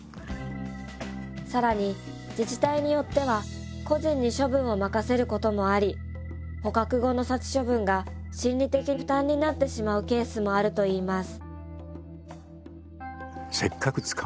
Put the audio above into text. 更に自治体によっては個人に処分を任せることもあり捕獲後の殺処分が心理的負担になってしまうケースもあるといいます